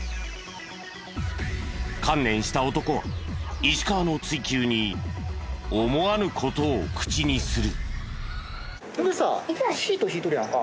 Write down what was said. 観念した男は石川の追及に思わぬ事を口にする。